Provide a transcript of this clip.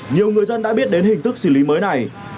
nhiều người dân đã biết đến hình thức xử lý mới này